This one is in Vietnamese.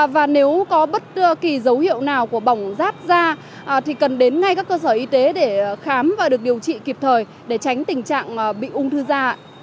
và nếu có bất kỳ dấu hiệu nào của bỏng ráp da thì cần đến ngay các cơ sở y tế để khám và được điều trị kịp thời để tránh tình trạng bị ung thư da